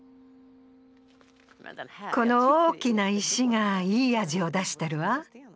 この大きな石がいい味を出してるわ。